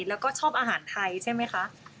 แล้วก็ชอบอาหารไทยใช่ไหมคะ